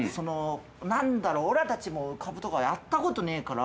なんだろうオラたちも株とかやったことねえから。